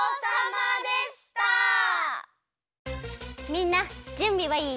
みんなじゅんびはいい？